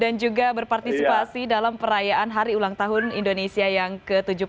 dan juga berpartisipasi dalam perayaan hari ulang tahun indonesia yang ke tujuh puluh empat